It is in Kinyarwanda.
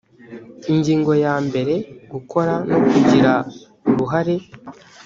ingingo ya mbere gukora no kugira uruhare